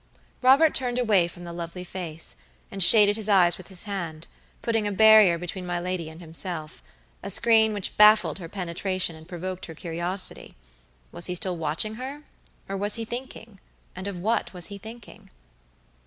Robert turned away from the lovely face, and shaded his eyes with his hand; putting a barrier between my lady and himself; a screen which baffled her penetration and provoked her curiosity. Was he still watching her or was he thinking? and of what was he thinking?